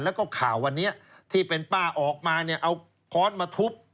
แล้วก็ข่าววันนี้ที่เป็นป้าออกมาเนี่ยเอาค้อนมาทุบ